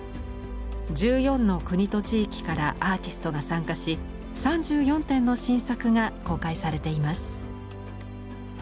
１４の国と地域からアーティストが参加し３４点の新作が公開されています。